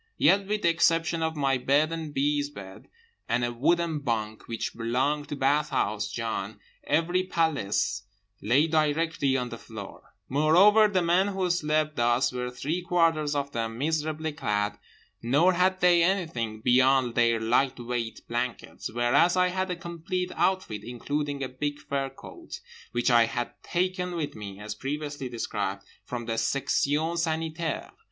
Yet with the exception of my bed and B.'s bed and a wooden bunk which belonged to Bathhouse John, every paillasse lay directly on the floor; moreover the men who slept thus were three quarters of them miserably clad, nor had they anything beyond their light weight blankets—whereas I had a complete outfit including a big fur coat, which I had taken with me (as previously described) from the Section Sanitaire.